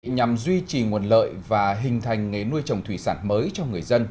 nhằm duy trì nguồn lợi và hình thành nghề nuôi trồng thủy sản mới cho người dân